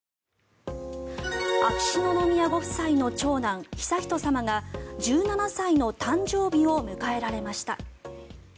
秋篠宮ご夫妻の長男悠仁さまが１７歳の誕生日を迎えられました。